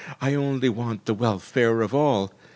I only want the welfare of all.